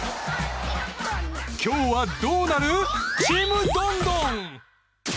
今日はどうなるちむどんどん。